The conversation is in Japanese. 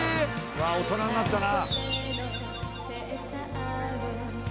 大人になったな。